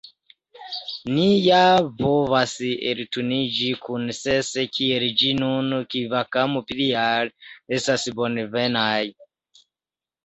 Ni ja povas elturniĝi kun ses, kiel ĝis nun, kvankam pliaj estus bonvenaj.